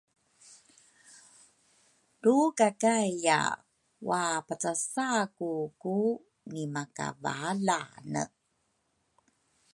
Lukakaiya wapacasa ku ku nimakavalane